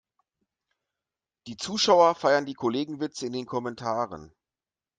Die Zuschauer feiern die Kollegenwitze in den Kommentaren.